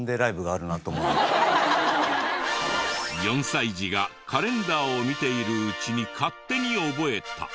４歳児がカレンダーを見ているうちに勝手に覚えた。